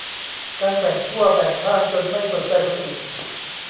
การแบ่งขั้วแบ่งข้างจนไม่สนใจคนอื่น